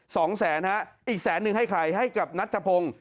สองแสนฮะอีกแสนนึงให้ใครให้กับนัทธพงศ์